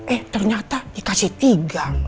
eh ternyata dikasih tiga